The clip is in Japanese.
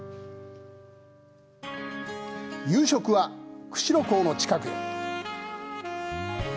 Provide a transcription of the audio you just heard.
夕食は、釧路港の近くへ。